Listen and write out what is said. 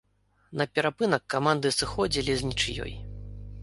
На перапынак каманды сыходзілі з нічыёй.